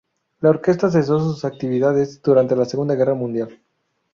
La orquesta cesó sus actividades durante la Segunda Guerra Mundial.